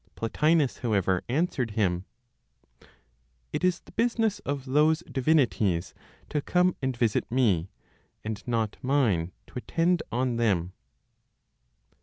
Plotinos, however, answered him, "It is the business of those divinities to come and visit me, and not mine to attend on them."